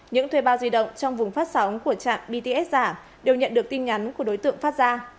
những thuê bao di động trong vùng phát sóng của trạm bts giả đều nhận được tin nhắn của đối tượng phát ra